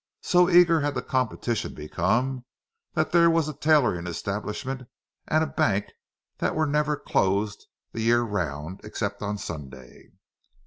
So eager had the competition become that there was a tailoring establishment and a bank that were never closed the year round, except on Sunday.